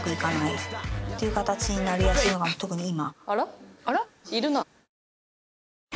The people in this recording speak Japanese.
ていう形になりやすいのが特に今。